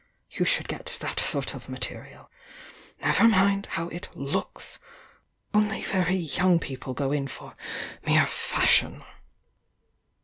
You should get that sort of material — never mind how it looks.' — only very young people go in for mere fashion!"